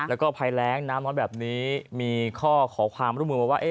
แล้วก็ภัยแรงน้ำน้อยแบบนี้มีข้อขอความร่วมมือมาว่า